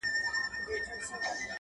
پلاره مه پرېږده چي ورور مي حرامخور سي,